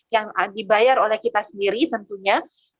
yang dibayar oleh kita sendiri tentunya